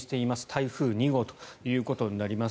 台風２号ということになります。